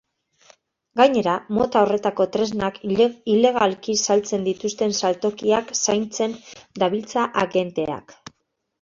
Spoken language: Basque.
Gainera, mota horretako tresnak ilegalki saltzen dituzten saltokiak zaintzen dabiltza agenteak.